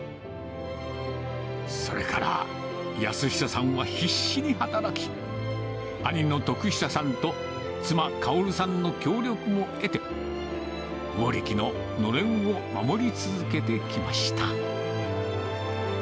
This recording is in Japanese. それから安久さんは必死に働き、兄の徳久さんと妻、薫さんの協力も得て、魚力ののれんを守り続けてきました。